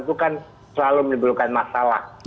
itu kan selalu menimbulkan masalah